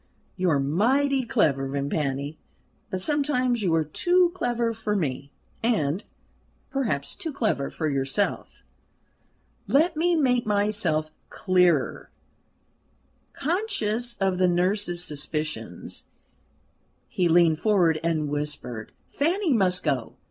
"You are mighty clever, Vimpany; but sometimes you are too clever for me, and, perhaps, too clever for yourself." "Let me make myself clearer" conscious of the nurse's suspicions, he leaned forward and whispered: "Fanny must go.